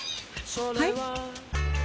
はい？